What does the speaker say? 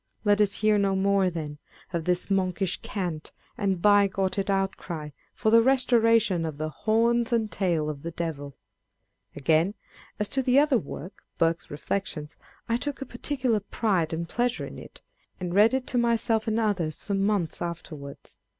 Let us hear no more, then, of this monkish cant, and bigoted out cry for the restoration of the horns and tail of the devil ! â€" Again, as to the other work, Burke's Reflections, I took a particular pride and pleasure in it, and read it to myself and others for months afterwards.